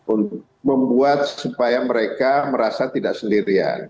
untuk membuat supaya mereka merasa tidak sendirian